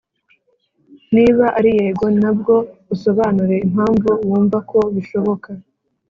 niba ari yego na bwo usobanure impamvu wumva ko bishoboka.